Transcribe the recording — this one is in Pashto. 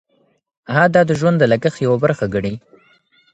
هغه دا د ژوند د لګښت یوه برخه ګڼي.